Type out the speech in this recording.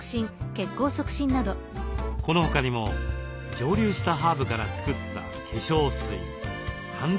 この他にも蒸留したハーブから作った化粧水ハンドクリーム。